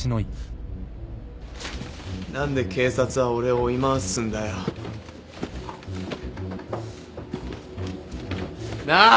何で警察は俺を追い回すんだよ。なあ！？